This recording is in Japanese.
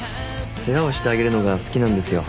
世話をしてあげるのが好きなんですよ。